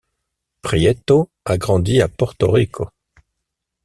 Prieto a grandi à Porto Rico.